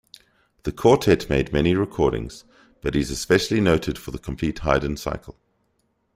The Quartet made many recordings, but is especially noted for the complete Haydn cycle.